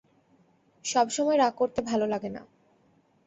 সব সময় রাগ করতে ভালো লাগে না।